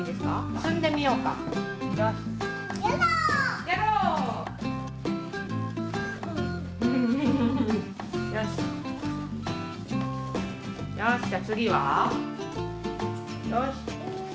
よし。